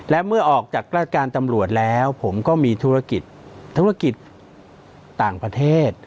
และเมื่อออกจากราชการตำรวจแล้วผมก็มีธุรกิจธุรกิจต่างประเทศ